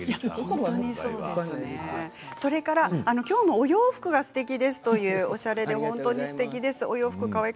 それから今日のお洋服がすてきですというおしゃれで本当にすてきです。